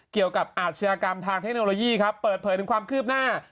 อาชญากรรมทางเทคโนโลยีครับเปิดเผยถึงความคืบหน้า